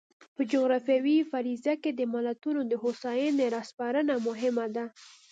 په جغرافیوي فرضیه کې د ملتونو د هوساینې را سپړنه مهمه ده.